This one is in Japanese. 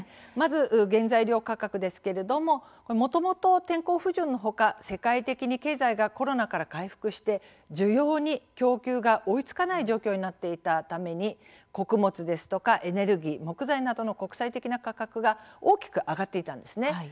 まず原材料価格ですけれどももともと天候不順のほか世界的に経済がコロナから回復して需要に供給が追いつかない状況になっていたために穀物ですとかエネルギー木材などの国際的な価格が大きく上がっていたんですね。